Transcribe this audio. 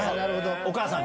お母さんが？